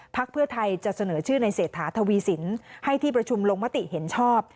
เพื่อไทยจะเสนอชื่อในเศรษฐาทวีสินให้ที่ประชุมลงมติเห็นชอบ